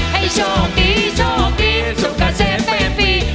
ให้โชคดีโชคดีสุขเจ็บเรียบรี